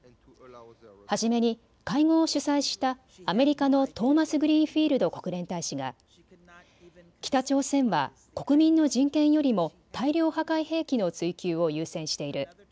初めに会合を主催したアメリカのトーマスグリーンフィールド国連大使が北朝鮮は国民の人権よりも大量破壊兵器の追求を優先している。